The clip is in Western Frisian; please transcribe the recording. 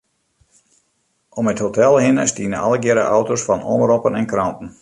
Om it hotel hinne stiene allegearre auto's fan omroppen en kranten.